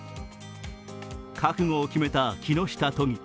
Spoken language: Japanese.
覚悟を決めた木下都議。